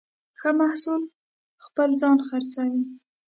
ښه محصول خپله ځان خرڅوي.